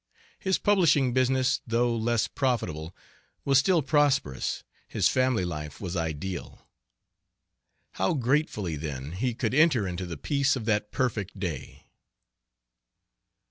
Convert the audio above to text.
His publishing business, though less profitable, was still prosperous, his family life was ideal. How gratefully, then, he could enter into the peace of that "perfect day."